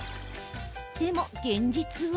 でも、現実は？